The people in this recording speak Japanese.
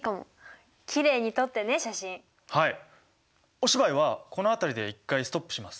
お芝居はこの辺りで一回ストップします。